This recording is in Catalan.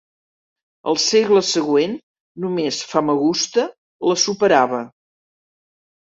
Al segle següent només Famagusta la superava.